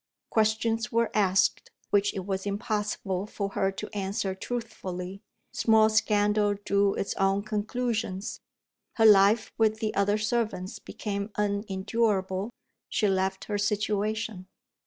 Questions were asked, which it was impossible for her to answer truthfully. Small scandal drew its own conclusions her life with the other servants became unendurable she left her situation.